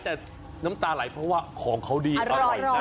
แต่น้ำตาไหลเพราะว่าของเขาดีอร่อยนะ